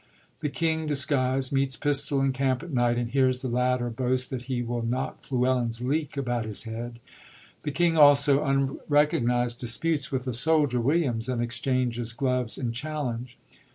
The king, disguisd, meet s Pistol in camp at night, and hears the latter boast that he will knock Fluellen's leek about his head. The king also, unrecognised, disputes with a soldier, Williams, and exchanges gloves in challenge.